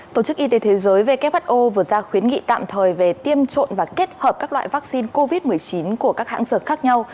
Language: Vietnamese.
tổ chức y tế thế giới who vừa ra khuyến nghị tạm thời về tiêm trộn và kết hợp các loại vaccine covid một mươi chín của các hãng dược khác nhau